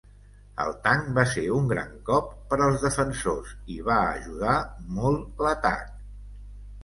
El tanc va ser un gran cop per als defensors i va ajudar molt l'atac.